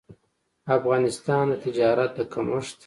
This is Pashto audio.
افغانستان د تجارت د کمښت